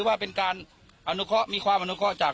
ท่านพรุ่งนี้ไม่แน่ครับ